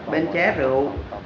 bên ché rượu